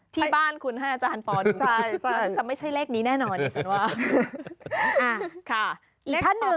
ที่บ้านของคุณอาจารย์พรไม่ใช่เลขนี้นี้แน่นอน